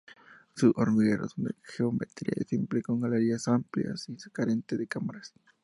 Sus hormigueros son de geometría simple, con galerías amplias y carentes de "cámaras".